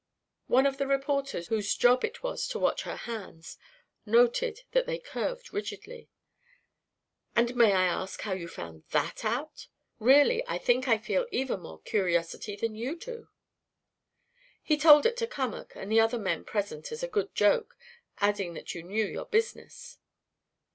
One of the reporters whose "job" it was to watch her hands, noted that they curved rigidly. "And may I ask how you found that out? Really, I think I feel even more curiosity than you do." "He told it to Cummack and the other men present as a good joke, adding that you knew your business."